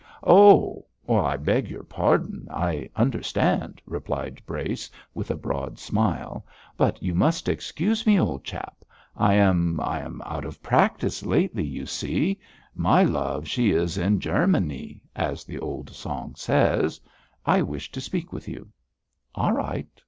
'Oh, I beg your pardon, I understand,' replied Brace, with a broad smile; 'but you must excuse me, old chap. I am I am out of practice lately, you see. "My love she is in Germanee," as the old song says. I wish to speak with you.' 'All right.